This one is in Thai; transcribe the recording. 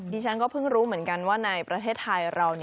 ดิฉันก็เพิ่งรู้เหมือนกันว่าในประเทศไทยเรา